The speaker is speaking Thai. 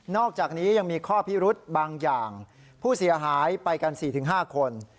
อกจากนี้ยังมีข้อพิรุธบางอย่างผู้เสียหายไปกัน๔๕คน